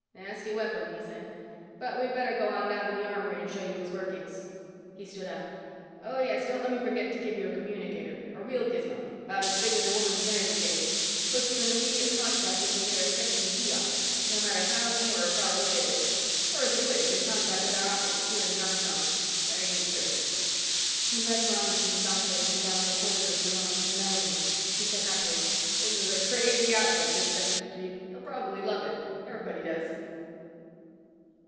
"Nasty weapon," he said. "But we'd better go on down to the armory and show you its workings." He stood up. "Oh, yes, don't let me forget to give you a communicator. A real gizmo. About as big as a woman's vanity case. Puts you in immediate contact with the nearest Section G office, no matter how near or far away it is. Or, if you wish, in contact with our offices here in the Octagon. Very neat trick." He led Ronny from his office and down the corridors beyond to an elevator. He said happily, "This is a crazy outfit, this Section G. You'll probably love it. Everybody does."